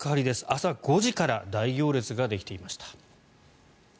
朝５時から大行列ができていました。